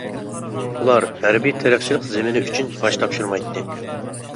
ئۇلار ھەربىي تېرىقچىلىق زېمىنى ئۈچۈن باج تاپشۇرمايتتى.